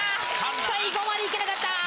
最後までいけなかった。